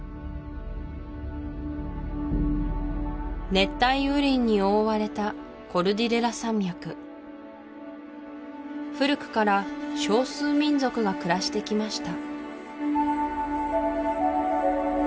熱帯雨林に覆われたコルディレラ山脈古くから少数民族が暮らしてきました